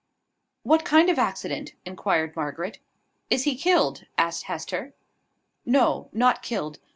"What kind of accident?" inquired Margaret. "Is he killed?" asked Hester. "No, not killed.